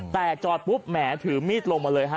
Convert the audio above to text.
แต่จอดปุ๊บแหมถือมีดลงมาเลยฮะ